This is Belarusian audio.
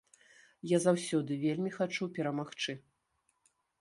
Я заўсёды вельмі хачу перамагчы.